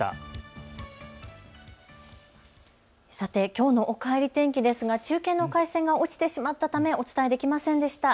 きょうのおかえり天気ですが、中継の回線が落ちてしまったためお伝えできませんでした。